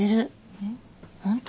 えっ？ホント？